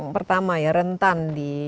pertama ya rentan